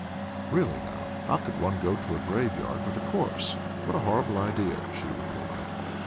"Really now, how could one go to a graveyard with a corpse? What a horrible idea!" she replied.